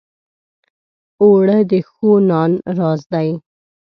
اوړه د ښو نان راز دی